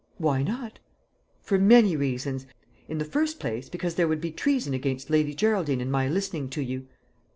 "Why not?" "For many reasons. In the first place, because there would be treason against Lady Geraldine in my listening to you."